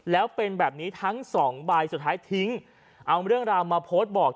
แล้วเป็นแบบนี้ทั้งสองใบสุดท้ายทิ้งเอาเรื่องราวมาโพสต์บอก